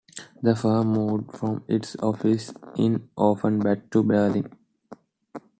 The firm moved from its office in Offenbach to Berlin.